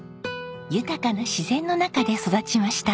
豊かな自然の中で育ちました。